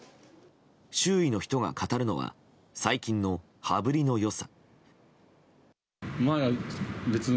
周囲の人が語るのは最近の羽振りの良さ。